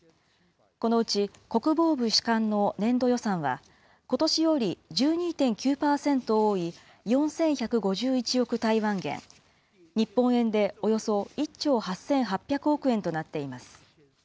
このうち、国防部主管の年度予算は、ことしより１２．９％多い、４１５１億台湾元、日本円でおよそ１兆８８００億円となっています。